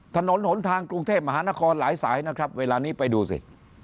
ถนนหนทางกรุงเทพมหานครหลายสายนะครับเวลานี้ไปดูสิ